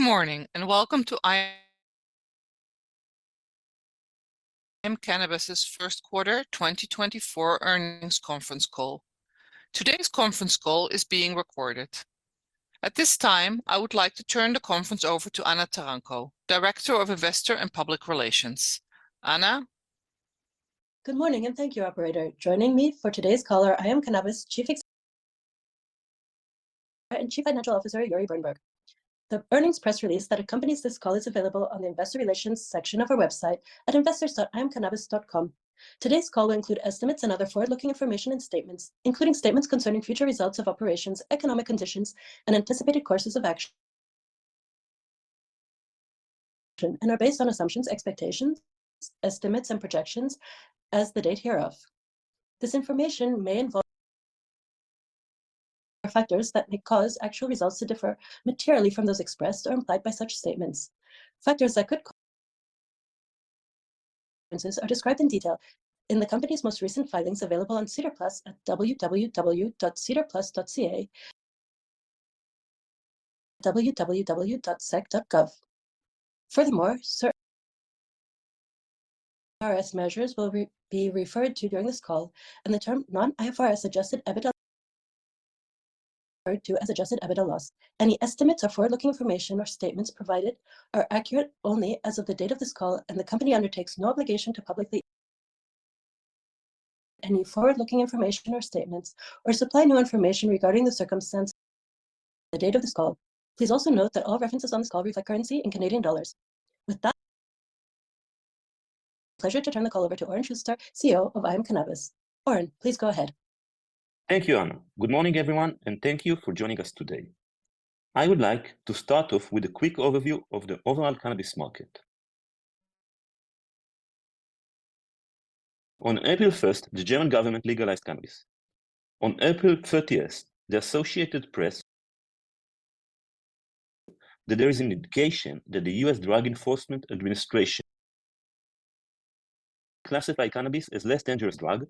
Good morning and welcome to IM Cannabis's Q1 2024 Earnings Conference Call. Today's conference call is being recorded. At this time, I would like to turn the conference over to Anna Taranko, Director of Investor and Public Relations. Anna? Good morning and thank you, Operator. Joining me for today's call are IM Cannabis Chief Executive Officer Oren Shuster and Chief Financial Officer Uri Birenberg. The earnings press release that accompanies this call is available on the Investor Relations section of our website at investors.imcannabis.com. Today's call will include estimates and other forward-looking information and statements, including statements concerning future results of operations, economic conditions, and anticipated courses of action, and are based on assumptions, expectations, estimates, and projections as of the date hereof. This information may involve factors that may cause actual results to differ materially from those expressed or implied by such statements. Factors that could cause differences are described in detail in the company's most recent filings available on SEDAR+ at www.sedarplus.ca and www.sec.gov. Furthermore, IFRS measures will be referred to during this call, and the term non-IFRS Adjusted EBITDA will be referred to as Adjusted EBITDA loss. Any estimates or forward-looking information or statements provided are accurate only as of the date of this call, and the company undertakes no obligation to publicly share any forward-looking information or statements or supply new information regarding the circumstances at the date of this call. Please also note that all references on this call reflect currency in Canadian dollars. With that, it's my pleasure to turn the call over to Oren Shuster, CEO of IM Cannabis. Oren, please go ahead. Thank you, Anna. Good morning, everyone, and thank you for joining us today. I would like to start off with a quick overview of the overall cannabis market. On April 1st, the German government legalized cannabis. On April 30th, the Associated Press said that there is an indication that the U.S. Drug Enforcement Administration classified cannabis as a less dangerous drug,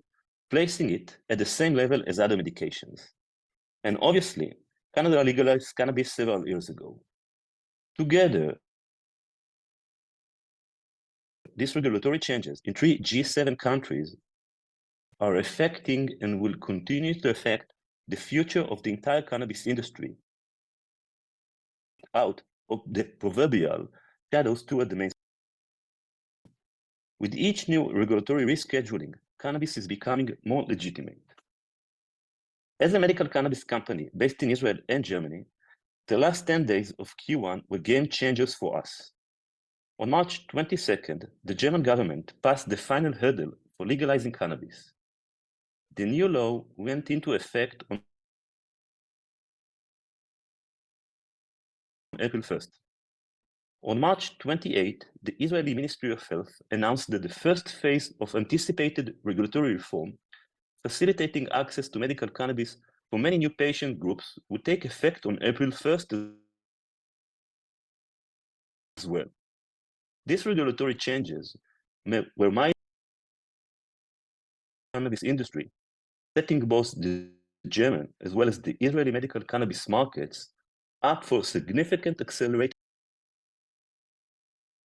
placing it at the same level as other medications. And obviously, Canada legalized cannabis several years ago. Together, these regulatory changes in three G7 countries are affecting and will continue to affect the future of the entire cannabis industry, out the proverbial shadows toward the mainstream. With each new regulatory rescheduling, cannabis is becoming more legitimate. As a medical cannabis company based in Israel and Germany, the last 10 days of Q1 were game changers for us. On March 22nd, the German government passed the final hurdle for legalizing cannabis. The new law went into effect on April 1st. On March 28th, the Israeli Ministry of Health announced that the first phase of anticipated regulatory reform facilitating access to medical cannabis for many new patient groups would take effect on April 1st as well. These regulatory changes were made by the cannabis industry, setting both the German as well as the Israeli medical cannabis markets up for significant acceleration.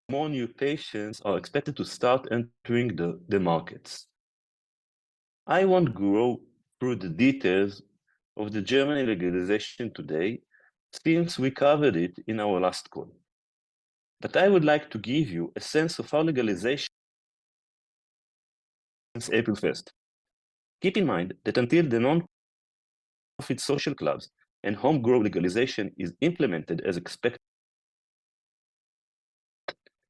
More new patients are expected to start entering the markets. I won't go through the details of the German legalization today since we covered it in our last call, but I would like to give you a sense of how legalization works since April 1st. Keep in mind that until the non-profit social clubs and homegrown legalization is implemented as expected,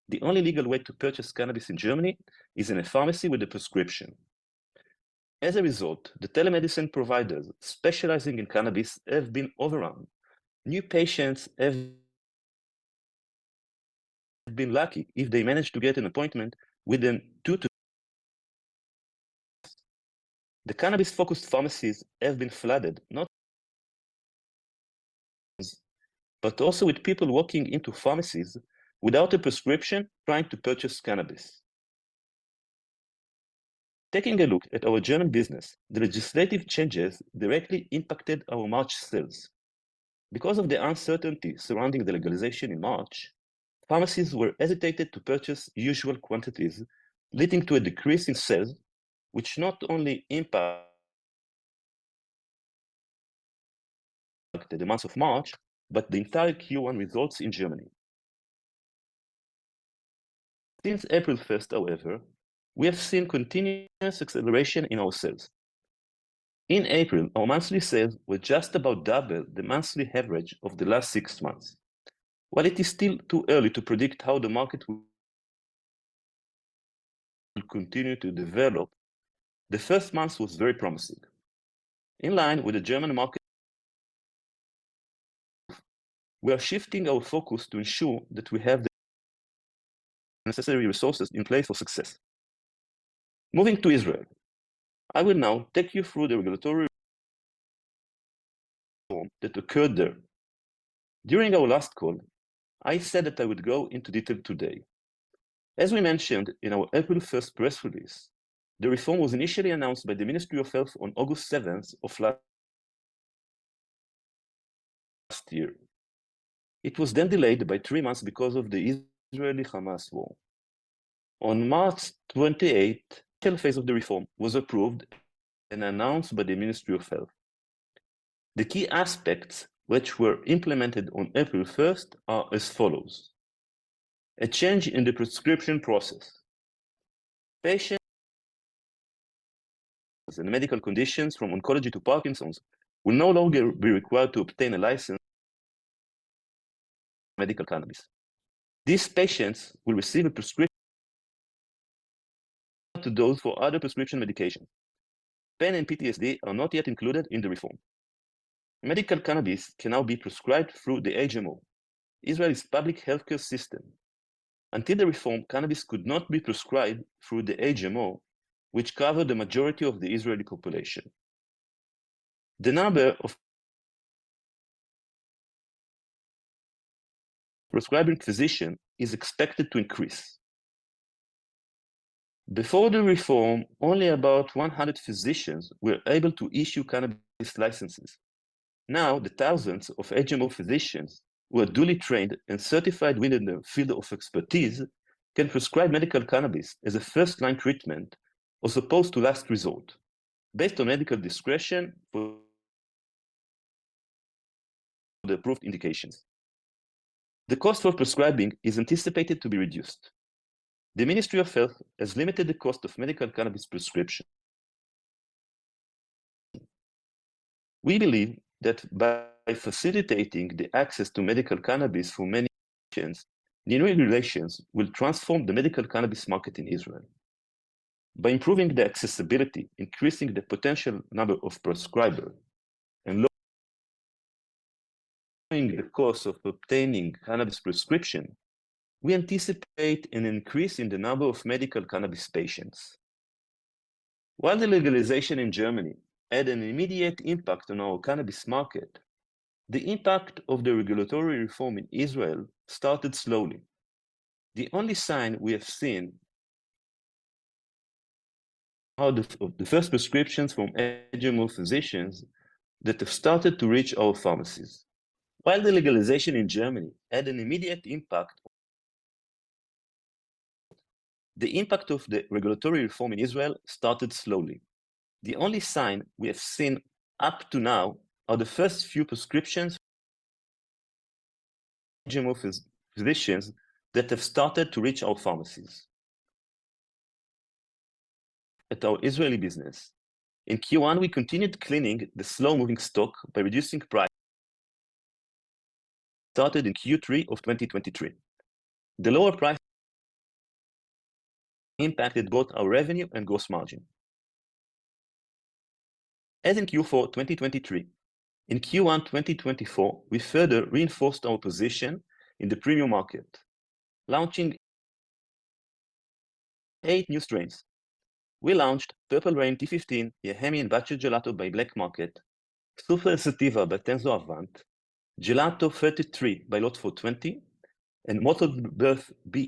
the only legal way to purchase cannabis in Germany is in a pharmacy with a prescription. As a result, the telemedicine providers specializing in cannabis have been overrun. New patients have been lucky if they managed to get an appointment within 2-3 days. The cannabis-focused pharmacies have been flooded, not with cannabis, but also with people walking into pharmacies without a prescription trying to purchase cannabis. Taking a look at our German business, the legislative changes directly impacted our March sales. Because of the uncertainty surrounding the legalization in March, pharmacies were hesitant to purchase usual quantities, leading to a decrease in sales, which not only impacted the month of March, but the entire Q1 results in Germany. Since April 1st, however, we have seen continuous acceleration in our sales. In April, our monthly sales were just about double the monthly average of the last six months. While it is still too early to predict how the market will continue to develop, the first month was very promising. In line with the German market, we are shifting our focus to ensure that we have the necessary resources in place for success. Moving to Israel, I will now take you through the regulatory reform that occurred there. During our last call, I said that I would go into detail today. As we mentioned in our April 1st press release, the reform was initially announced by the Ministry of Health on August 7th of last year. It was then delayed by three months because of the Israeli-Hamas war. On March 28th, the initial phase of the reform was approved and announced by the Ministry of Health. The key aspects which were implemented on April 1st are as follows: a change in the prescription process. Patients with medical conditions from oncology to Parkinson's will no longer be required to obtain a license for medical cannabis. These patients will receive a prescription to dose for other prescription medications. Pain and PTSD are not yet included in the reform. Medical cannabis can now be prescribed through the HMO, Israel's public healthcare system. Until the reform, cannabis could not be prescribed through the HMO, which covered the majority of the Israeli population. The number of prescribing physicians is expected to increase. Before the reform, only about 100 physicians were able to issue cannabis licenses. Now, the thousands of HMO physicians who are duly trained and certified within their field of expertise can prescribe medical cannabis as a first-line treatment as opposed to last resort based on medical discretion for the approved indications. The cost for prescribing is anticipated to be reduced. The Ministry of Health has limited the cost of medical cannabis prescriptions. We believe that by facilitating the access to medical cannabis for many patients, new regulations will transform the medical cannabis market in Israel. By improving the accessibility, increasing the potential number of prescribers, and lowering the cost of obtaining cannabis prescriptions, we anticipate an increase in the number of medical cannabis patients. While the legalization in Germany had an immediate impact on our cannabis market, the impact of the regulatory reform in Israel started slowly. The only sign we have seen is the first prescriptions from HMO physicians that have started to reach our pharmacies. While the legalization in Germany had an immediate impact, the impact of the regulatory reform in Israel started slowly. The only sign we have seen up to now are the first few prescriptions from HMO physicians that have started to reach our pharmacies and our Israeli business. In Q1, we continued cleaning the slow-moving stock by reducing prices, which started in Q3 of 2023. The lower prices impacted both our revenue and gross margin. As in Q4 2023, in Q1 2024, we further reinforced our position in the premium market, launching eight new strains. We launched Purple Rain T15, Bacio Gelato by BLKMKT, Super Sativa by Tenzo Avant, Gelato 33 by Lot 420, and Motor Breath BOL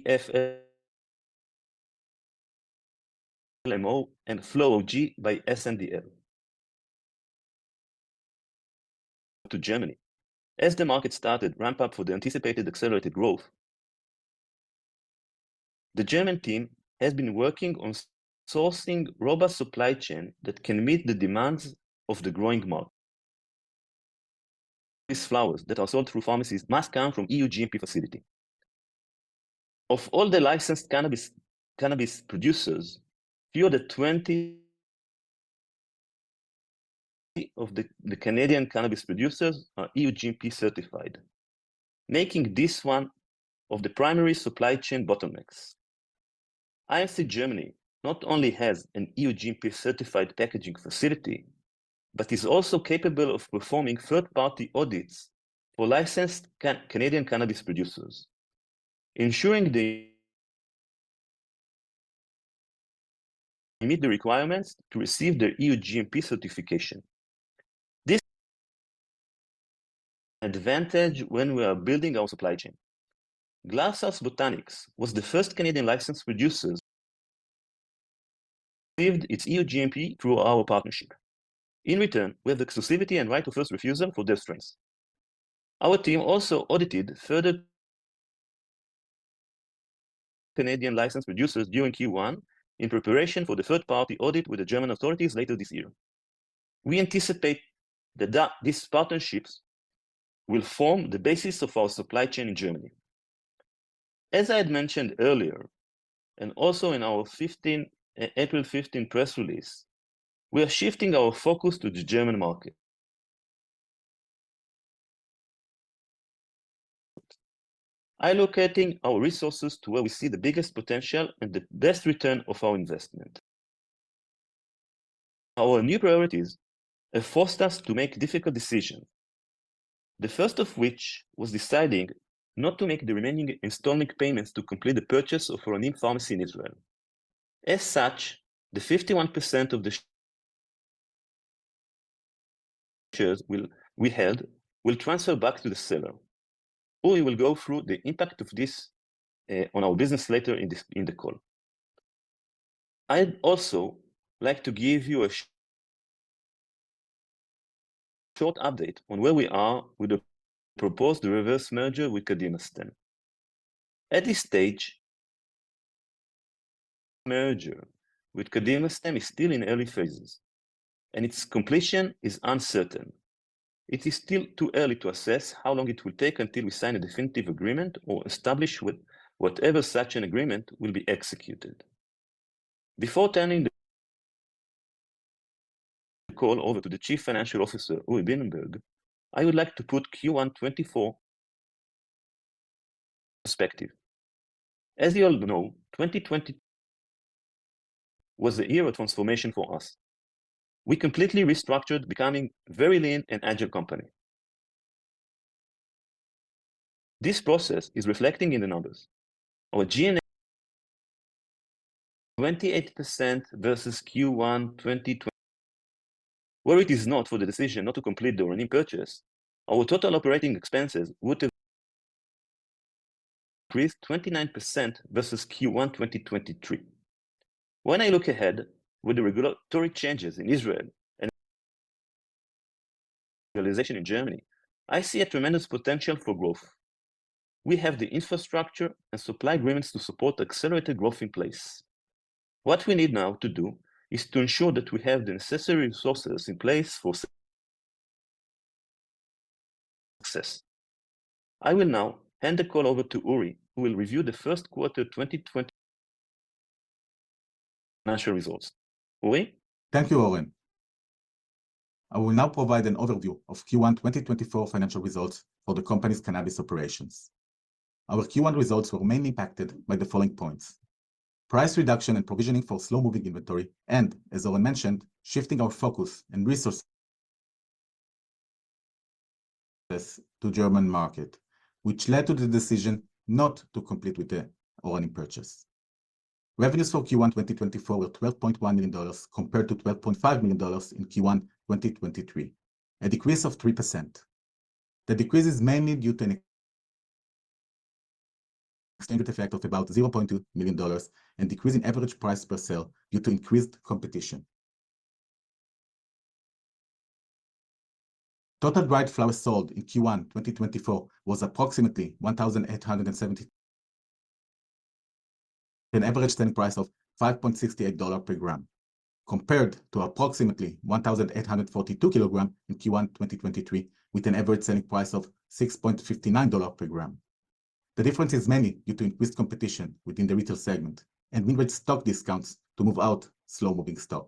and Flow OG by SNDL. To Germany. As the market started to ramp up for the anticipated accelerated growth, the German team has been working on sourcing robust supply chains that can meet the demands of the growing market. These flowers that are sold through pharmacies must come from EU GMP facilities. Of all the licensed cannabis producers, fewer than 20 of the Canadian cannabis producers are EU GMP certified, making this one of the primary supply chain bottlenecks. IMC Germany not only has an EU GMP certified packaging facility, but is also capable of performing third-party audits for licensed Canadian cannabis producers, ensuring they meet the requirements to receive their EU GMP certification. This is an advantage when we are building our supply chain. Glasshouse Botanics was the first Canadian licensed producer that received its EU GMP through our partnership. In return, we have the exclusivity and right of first refusal for their strains. Our team also audited further Canadian licensed producers during Q1 in preparation for the third-party audit with the German authorities later this year. We anticipate that these partnerships will form the basis of our supply chain in Germany. As I had mentioned earlier, and also in our April 15th press release, we are shifting our focus to the German market, allocating our resources to where we see the biggest potential and the best return of our investment. Our new priorities have forced us to make difficult decisions, the first of which was deciding not to make the remaining installment payments to complete the purchase of our new pharmacy in Israel. As such, the 51% of the shares we held will transfer back to the seller, or we will go through the impact of this on our business later in the call. I'd also like to give you a short update on where we are with the proposed reverse merger with Kadimastem. At this stage, the merger with Kadimastem is still in early phases, and its completion is uncertain. It is still too early to assess how long it will take until we sign a definitive agreement or establish whatever such an agreement will be executed. Before turning the call over to the Chief Financial Officer, Uri Birenberg, I would like to put Q1 2024 in perspective. As you all know, 2020 was a year of transformation for us. We completely restructured, becoming a very lean and agile company. This process is reflected in the numbers. Our G&A is 28% versus Q1 2020. Where it is not for the decision not to complete the Oranim purchase, our total operating expenses would have increased 29% versus Q1 2023. When I look ahead with the regulatory changes in Israel and the legalization in Germany, I see a tremendous potential for growth. We have the infrastructure and supply agreements to support accelerated growth in place. What we need now to do is to ensure that we have the necessary resources in place for success. I will now hand the call over to Uri, who will review the Q1 2020 financial results. Uri? Thank you, Oren. I will now provide an overview of Q1 2024 financial results for the company's cannabis operations. Our Q1 results were mainly impacted by the following points: price reduction and provisioning for slow-moving inventory, and, as Oren mentioned, shifting our focus and resources to the German market, which led to the decision not to complete with the Oranim purchase. Revenues for Q1 2024 were $12.1 million compared to $12.5 million in Q1 2023, a decrease of 3%. The decrease is mainly due to an exchange rate effect of about $0.2 million and a decrease in average price per sale due to increased competition. Total dried flowers sold in Q1 2024 was approximately 1,870 kilograms, with an average selling price of $5.68 per gram, compared to approximately 1,842 kilograms in Q1 2023, with an average selling price of $6.59 per gram. The difference is mainly due to increased competition within the retail segment and minimum stock discounts to move out slow-moving stock.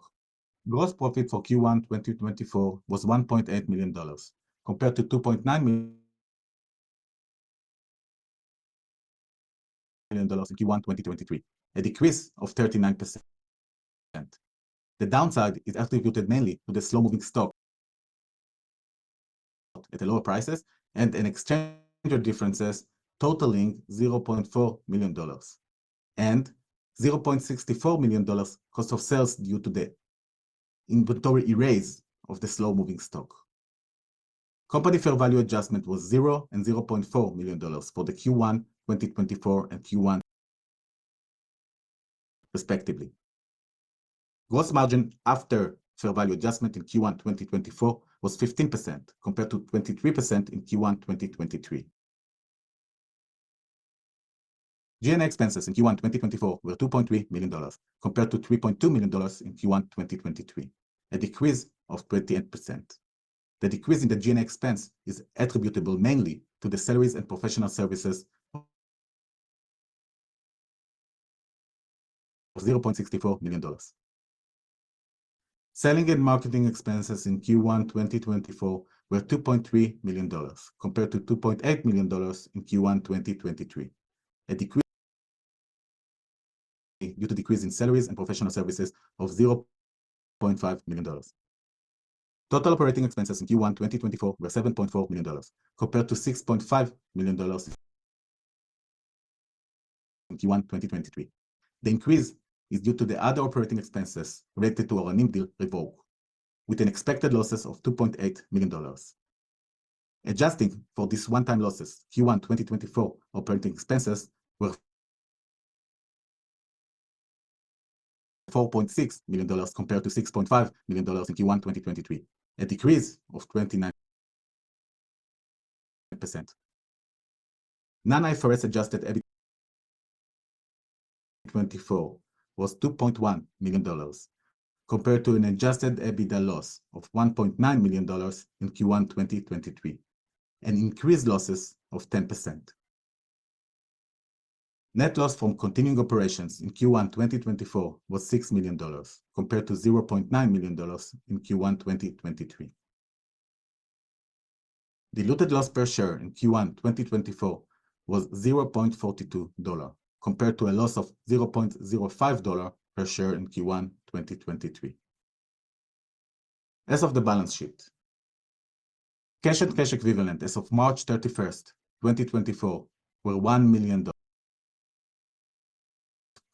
Gross profit for Q1 2024 was 1.8 million dollars, compared to 2.9 million in Q1 2023, a decrease of 39%. The downside is attributed mainly to the slow-moving stock sold at lower prices and exchange rate differences, totaling 0.4 million dollars and 0.64 million dollars cost of sales due to the inventory erase of the slow-moving stock. Company fair value adjustment was 0 and 0.4 million dollars for Q1 2024 and Q1 2023, respectively. Gross margin after fair value adjustment in Q1 2024 was 15%, compared to 23% in Q1 2023. G&A expenses in Q1 2024 were 2.3 million dollars, compared to 3.2 million dollars in Q1 2023, a decrease of 28%. The decrease in the G&A expense is attributable mainly to the salaries and professional services of CAD 0.64 million. Selling and marketing expenses in Q1 2024 were 2.3 million dollars, compared to 2.8 million dollars in Q1 2023, a decrease due to a decrease in salaries and professional services of 0.5 million dollars. Total operating expenses in Q1 2024 were 7.4 million dollars, compared to CAD 6.5 million in Q1 2023. The increase is due to the other operating expenses related to our Oranim deal revoked, with expected losses of 2.8 million dollars. Adjusting for these one-time losses, Q1 2024 operating expenses were 4.6 million dollars, compared to 6.5 million dollars in Q1 2023, a decrease of 29%. Non-IFRS Adjusted EBITDA 2024 was 2.1 million dollars, compared to an adjusted EBITDA loss of 1.9 million dollars in Q1 2023, an increased loss of 10%. Net loss from continuing operations in Q1 2024 was 6 million dollars, compared to 0.9 million dollars in Q1 2023. Diluted loss per share in Q1 2024 was 0.42 dollar, compared to a loss of 0.05 dollar per share in Q1 2023. As of the balance sheet, cash and cash equivalent as of March 31, 2024, were 1 million,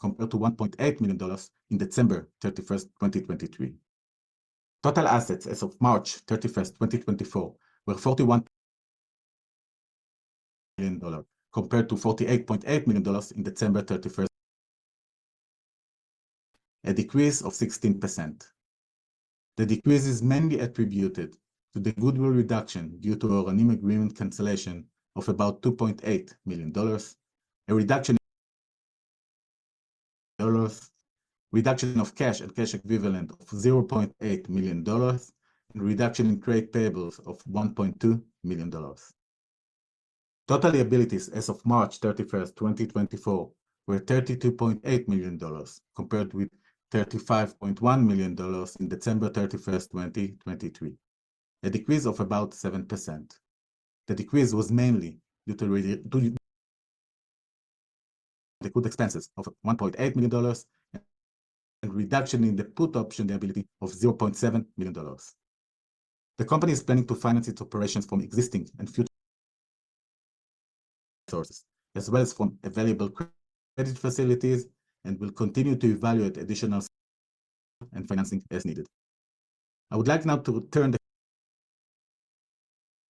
compared to 1.8 million dollars in December 31, 2023. Total assets as of March 31, 2024, were 41 million, compared to 48.8 million dollars in December 31, 2023, a decrease of 16%. The decrease is mainly attributed to the goodwill reduction due to our Oranim agreement cancellation of about 2.8 million dollars, a reduction in cash and cash equivalent of 0.8 million dollars, and a reduction in credit payables of 1.2 million dollars. Total liabilities as of March 31, 2024, were CAD 32.8 million, compared with CAD 35.1 million in December 31, 2023, a decrease of about 7%. The decrease was mainly due to G&A expenses of 1.8 million dollars and a reduction in the put option liability of 0.7 million dollars. The company is planning to finance its operations from existing and future resources, as well as from available credit facilities, and will continue to evaluate additional funding and financing as needed. I would like now to turn the call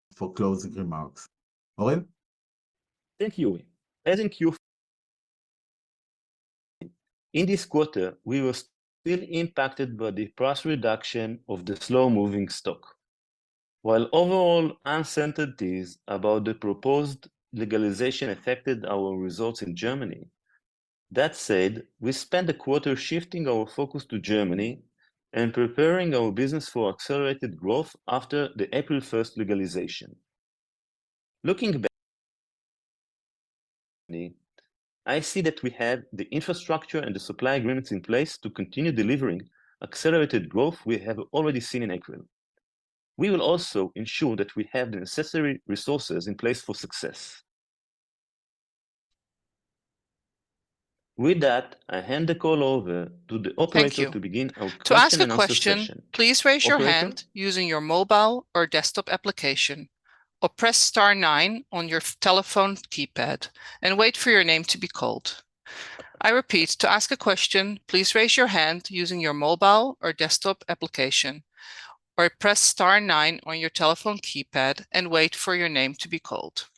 over for closing remarks. Oren? Thank you, Uri. As in Q4, in this quarter, we were still impacted by the price reduction of the slow-moving stock. While overall uncertainties about the proposed legalization affected our results in Germany, that said, we spent the quarter shifting our focus to Germany and preparing our business for accelerated growth after the April 1 legalization. Looking back at Germany, I see that we have the infrastructure and the supply agreements in place to continue delivering accelerated growth we have already seen in April. We will also ensure that we have the necessary resources in place for success. With that, I hand the call over to the operator to begin our closing discussion. To ask a question, please raise your hand using your mobile or desktop application, or press star 9 on your telephone keypad, and wait for your name to be called. I repeat, to ask a question, please raise your hand using your mobile or desktop application, or press star 9 on your telephone keypad, and wait for your name to be called.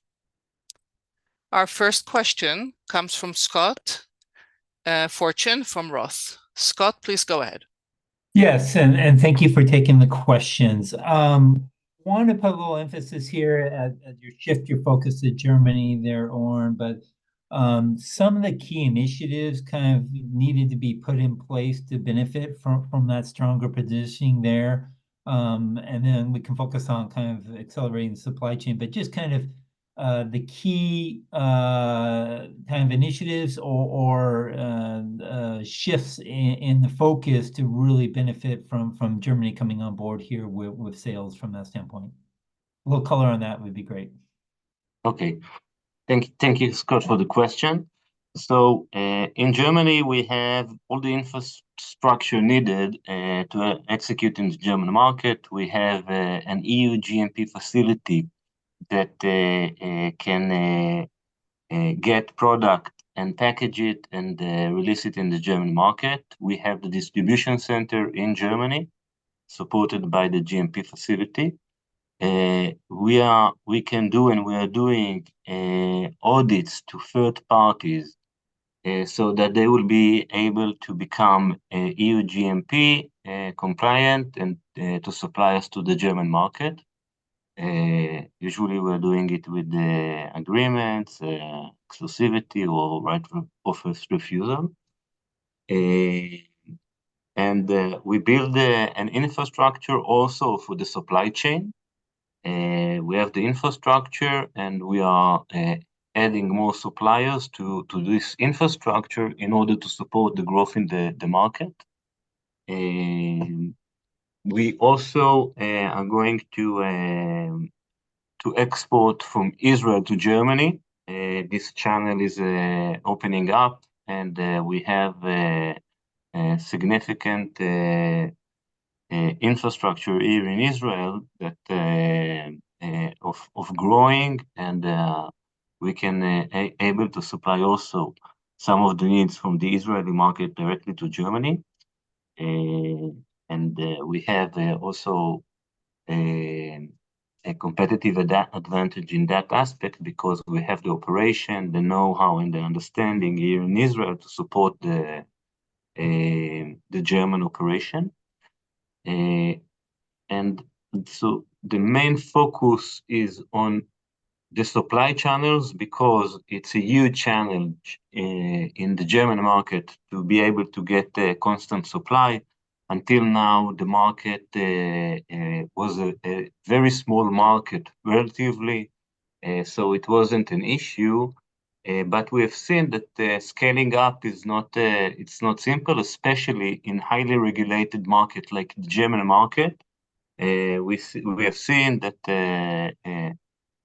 Our first question comes from Scott Fortune from Roth. Scott, please go ahead. Yes, and thank you for taking the questions. I want to put a little emphasis here as you shift your focus to Germany there, Oren, but some of the key initiatives kind of needed to be put in place to benefit from that stronger positioning there. And then we can focus on kind of accelerating the supply chain, but just kind of the key kind of initiatives or shifts in the focus to really benefit from Germany coming on board here with sales from that standpoint. A little color on that would be great. Okay. Thank you, Scott, for the question. So, in Germany, we have all the infrastructure needed to execute in the German market. We have an EU GMP facility that can get product and package it and release it in the German market. We have the distribution center in Germany, supported by the GMP facility. We can do, and we are doing, audits to third parties so that they will be able to become EU GMP compliant and to supply us to the German market. Usually, we're doing it with agreements, exclusivity, or right of refusal. We build an infrastructure also for the supply chain. We have the infrastructure, and we are adding more suppliers to this infrastructure in order to support the growth in the market. We also are going to export from Israel to Germany. This channel is opening up, and we have significant infrastructure here in Israel that is growing, and we can be able to supply also some of the needs from the Israeli market directly to Germany. And we have also a competitive advantage in that aspect because we have the operation, the know-how, and the understanding here in Israel to support the German operation. And so the main focus is on the supply channels because it's a huge challenge in the German market to be able to get constant supply. Until now, the market was a very small market, relatively, so it wasn't an issue. But we have seen that scaling up is not simple, especially in a highly regulated market like the German market. We have seen that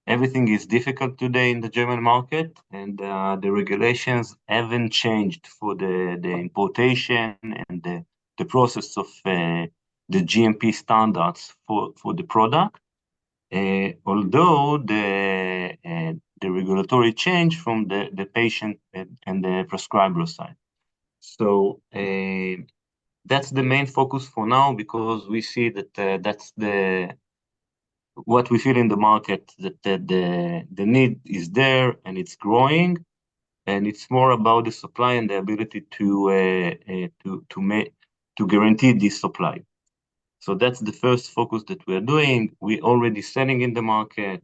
everything is difficult today in the German market, and the regulations haven't changed for the importation and the process of the GMP standards for the product, although the regulations changed from the patient and the prescriber side. So that's the main focus for now because we see that that's what we feel in the market, that the need is there and it's growing, and it's more about the supply and the ability to guarantee this supply. So that's the first focus that we are doing. We are already selling in the market.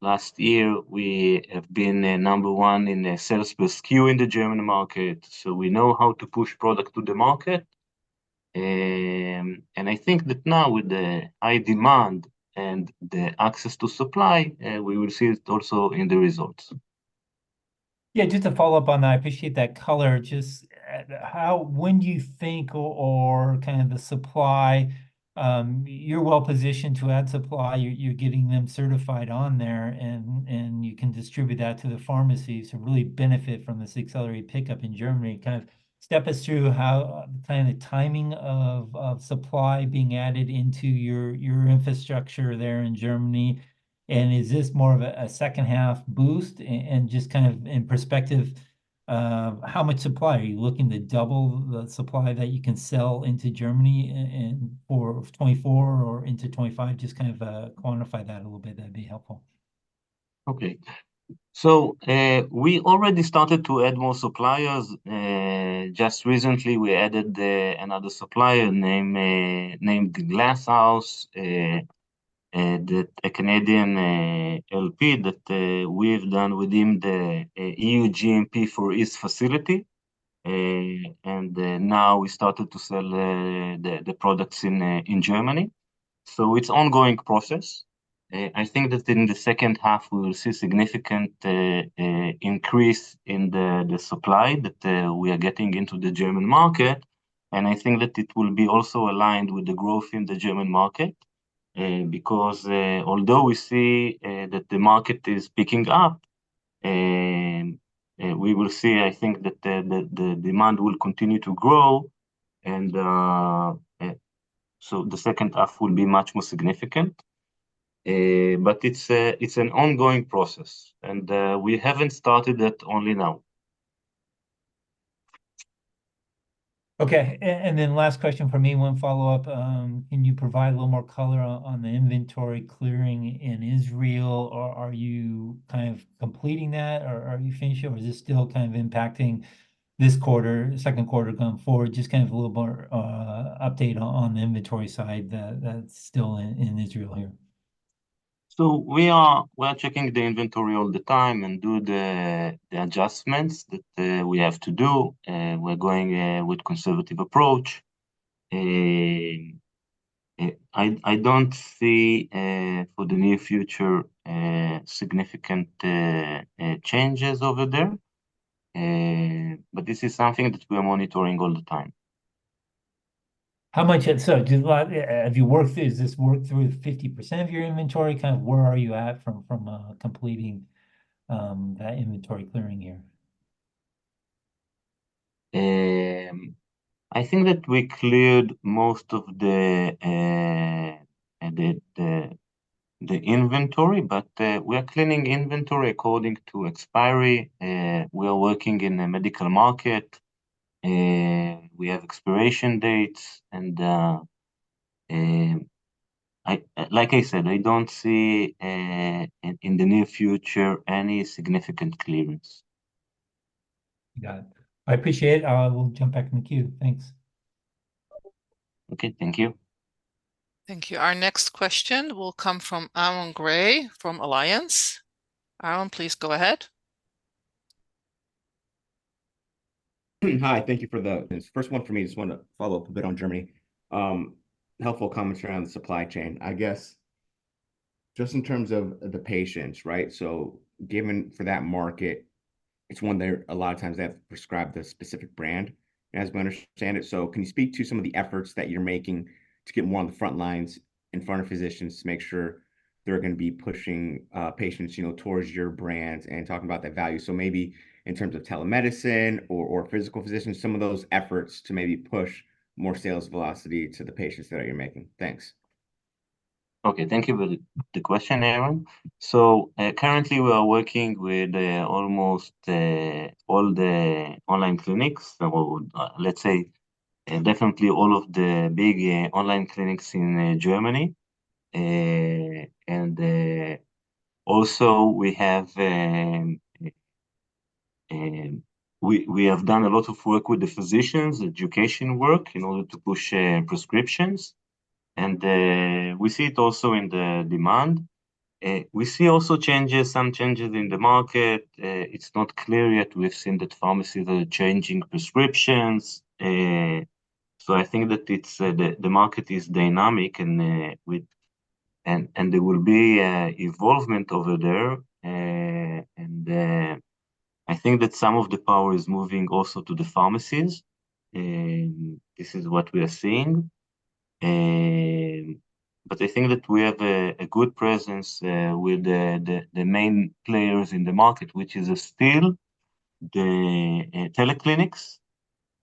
Last year, we have been number one in sales per SKU in the German market, so we know how to push product to the market. And I think that now, with the high demand and the access to supply, we will see it also in the results. Yeah, just to follow up on that, I appreciate that color. Just when do you think, or kind of the supply, you're well positioned to add supply, you're getting them certified on there, and you can distribute that to the pharmacies to really benefit from this accelerated pickup in Germany? Kind of step us through kind of the timing of supply being added into your infrastructure there in Germany. And is this more of a second-half boost? And just kind of in perspective, how much supply are you looking to double the supply that you can sell into Germany for 2024 or into 2025? Just kind of quantify that a little bit. That'd be helpful. Okay. So we already started to add more suppliers. Just recently, we added another supplier named Glasshouse, a Canadian LP that we have done within the EU GMP for its facility. And now we started to sell the products in Germany. So it's an ongoing process. I think that in the H2, we will see a significant increase in the supply that we are getting into the German market. And I think that it will be also aligned with the growth in the German market because although we see that the market is picking up, we will see, I think, that the demand will continue to grow. And so the H2 will be much more significant. But it's an ongoing process, and we haven't started that only now. Okay. And then last question for me, one follow-up. Can you provide a little more color on the inventory clearing in Israel? Are you kind of completing that, or are you finishing it, or is this still kind of impacting this quarter, Q2 going forward? Just kind of a little more update on the inventory side that's still in Israel here. So we are checking the inventory all the time and doing the adjustments that we have to do. We're going with a conservative approach. I don't see for the near future significant changes over there, but this is something that we are monitoring all the time. How much? So have you worked through? Is this worked through 50% of your inventory? Kind of, where are you at from completing that inventory clearing here? I think that we cleared most of the inventory, but we are cleaning inventory according to expiry. We are working in a medical market. We have expiration dates. And like I said, I don't see in the near future any significant clearance. Got it. I appreciate it. We'll jump back in the queue. Thanks. Okay. Thank you. Thank you. Our next question will come from Aaron Gray from Alliance. Aaron, please go ahead. Hi. Thank you for the first one for me. Just want to follow up a bit on Germany. Helpful comments around the supply chain. I guess just in terms of the patients, right? So given for that market, it's one that a lot of times they have to prescribe the specific brand, as we understand it. So can you speak to some of the efforts that you're making to get more on the front lines in front of physicians to make sure they're going to be pushing patients towards your brands and talking about that value? So maybe in terms of telemedicine or physical physicians, some of those efforts to maybe push more sales velocity to the patients that you're making. Thanks. Okay. Thank you for the question, Aaron. So currently, we are working with almost all the online clinics. Let's say definitely all of the big online clinics in Germany. And also, we have done a lot of work with the physicians, education work in order to push prescriptions. And we see it also in the demand. We see also some changes in the market. It's not clear yet. We've seen that pharmacies are changing prescriptions. So I think that the market is dynamic, and there will be evolvement over there. And I think that some of the power is moving also to the pharmacies. This is what we are seeing. But I think that we have a good presence with the main players in the market, which is still the teleclinics.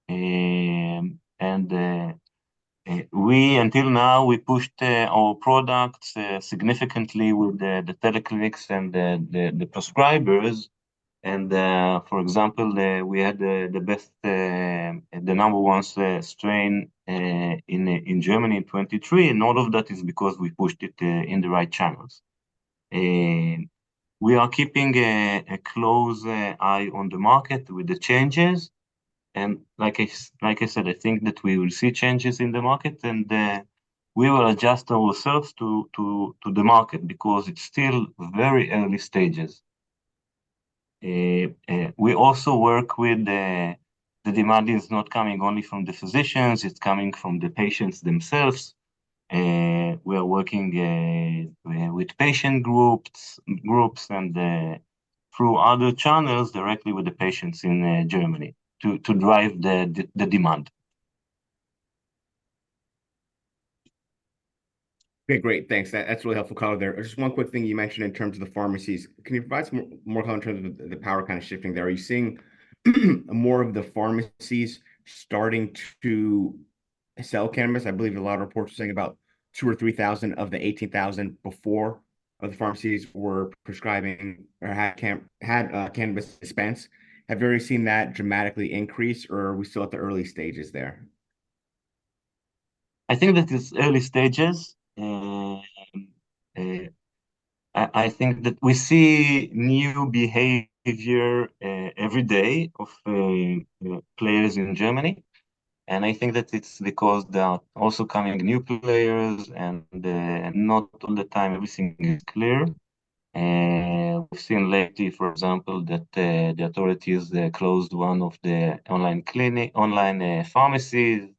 And until now, we pushed our products significantly with the teleclinics and the prescribers. For example, we had the number one strain in Germany in 2023, and all of that is because we pushed it in the right channels. We are keeping a close eye on the market with the changes. And like I said, I think that we will see changes in the market, and we will adjust ourselves to the market because it's still very early stages. We also work with the demand is not coming only from the physicians. It's coming from the patients themselves. We are working with patient groups and through other channels directly with the patients in Germany to drive the demand. Okay. Great. Thanks. That's really helpful color there. Just one quick thing you mentioned in terms of the pharmacies. Can you provide some more color in terms of the power kind of shifting there? Are you seeing more of the pharmacies starting to sell cannabis? I believe a lot of reports are saying about 2,000 or 3,000 out of the 18,000 pharmacies were prescribing or had cannabis dispense. Have you ever seen that dramatically increase, or are we still at the early stages there? I think that it's early stages. I think that we see new behavior every day of players in Germany. I think that it's because there are also coming new players, and not all the time everything is clear. We've seen lately, for example, that the authorities closed one of the online pharmacies.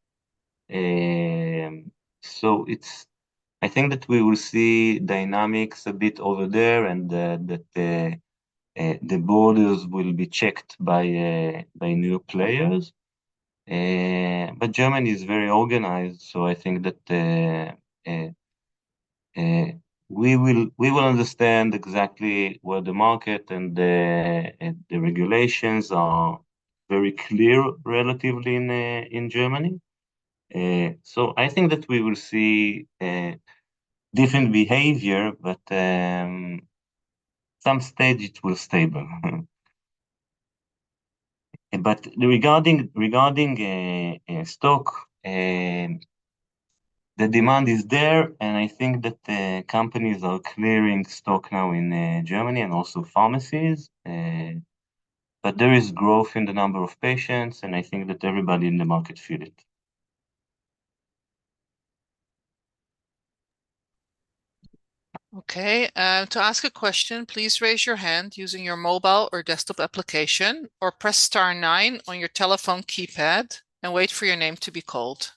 I think that we will see dynamics a bit over there and that the borders will be checked by new players. Germany is very organized, so I think that we will understand exactly where the market and the regulations are very clear relatively in Germany. I think that we will see different behavior, but at some stage, it will stay stable. Regarding stock, the demand is there, and I think that companies are clearing stock now in Germany and also pharmacies. But there is growth in the number of patients, and I think that everybody in the market feels it. Okay. To ask a question, please raise your hand using your mobile or desktop application, or press star 9 on your telephone keypad and wait for your name to be called.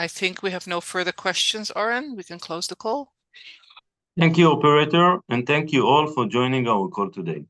I think we have no further questions, Oren. We can close the call. Thank you, operator, and thank you all for joining our call today.